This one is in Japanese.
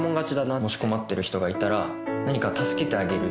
もし困ってる人がいたら何か助けてあげるっていう。